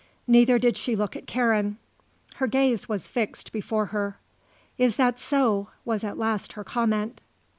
Neither did she look at Karen; her gaze was fixed before her. "Is that so," was at last her comment.